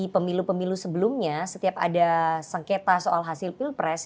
pemilu pemilu sebelumnya setiap ada sengketa soal hasil pilpres